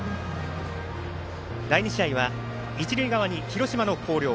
第２試合は、一塁側に広島の広陵。